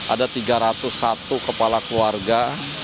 ada tiga ratus satu kepala keluarga